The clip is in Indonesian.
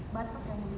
batuk yang mulia